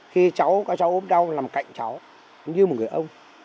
khi cháu các cháu ốm đau làm cạnh cháu như một người ông